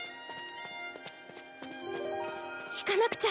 行かなくちゃ。